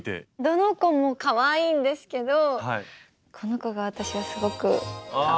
どの子もかわいいんですけどこの子が私はすごくかわいいなと思いますね。